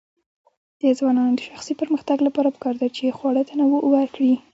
د ځوانانو د شخصي پرمختګ لپاره پکار ده چې خواړه تنوع ورکړي.